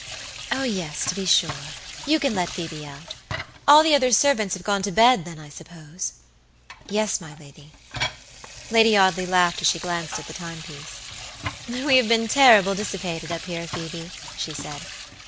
"Oh, yes, to be sure; you can let Phoebe out. All the other servants have gone to bed, then, I suppose?" "Yes, my lady." Lady Audley laughed as she glanced at the timepiece. "We have been terrible dissipated up here, Phoebe," she said.